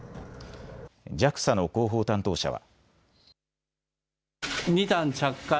ＪＡＸＡの広報担当者は。